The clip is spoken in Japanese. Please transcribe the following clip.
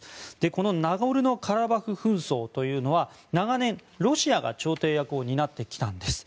このナゴルノカラバフ紛争というのは長年、ロシアが調停役を担ってきたんです。